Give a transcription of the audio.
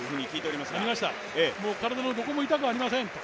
ありました、体のどこも痛くありません。